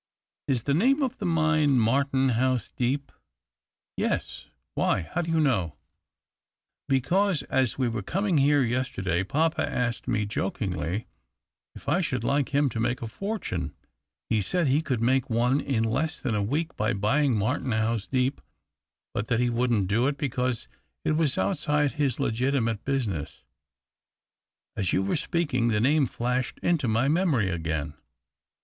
" Is the name of the mine Martenhuis Deep ?"" Yes — why ? How do you know ?"" Because, as we were coming here yester day, papa asked me jokingly if I should like him to make a fortune. He said he could make one in less than a week by buying ]\Iar tenhuis Deep, but that he w^ouldn't do it, 1)ecause it w^as outside his legitimate business. As you were speaking, the name flashed into my memory again.